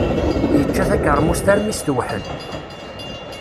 Yečča takermust armi s-tewḥel.